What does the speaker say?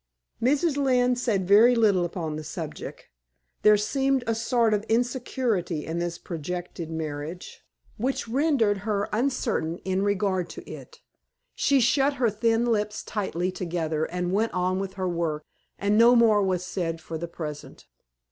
Mrs. Lynne said very little upon the subject; there seemed a sort of insecurity in this projected marriage, which rendered her uncertain in regard to it. She shut her thin lips tightly together and went on with her work, and no more was said for the present.